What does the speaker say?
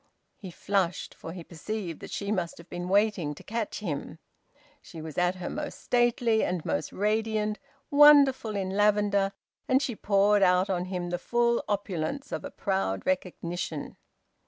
He flushed, for he perceived that she must have been waiting to catch him. She was at her most stately and most radiant, wonderful in lavender, and she poured out on him the full opulence of a proud recognition.